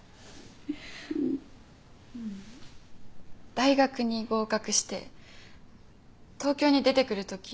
大学に合格して東京に出てくるとき